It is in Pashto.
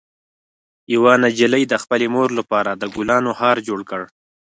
یوه نجلۍ د خپلې مور لپاره د ګلانو هار جوړ کړ.